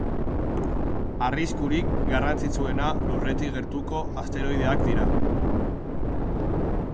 Arriskurik garrantzitsuena, Lurretik gertuko asteroideak dira.